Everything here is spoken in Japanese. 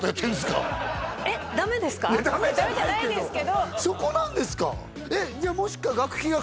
いやダメじゃないけどそこなんですか？